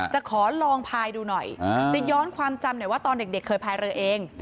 จะขอลองพายดูหน่อยจะย้อนความจำหน่อยว่าตอนเด็กเคยพายเรือเอง